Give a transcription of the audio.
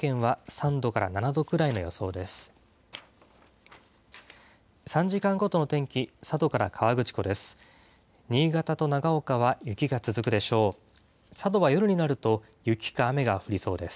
３時間ごとの天気、佐渡から河口湖です。